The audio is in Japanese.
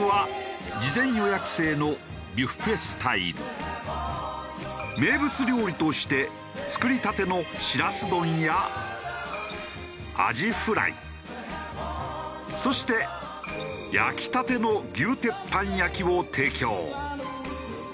そして名物料理として作りたてのしらす丼や鯵フライそして焼きたての牛鉄板焼きを提供。